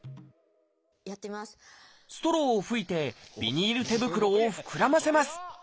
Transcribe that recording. ストローを吹いてビニール手袋を膨らませます。